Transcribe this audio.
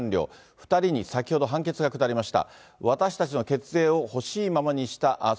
２人に先ほど、判決が下りました。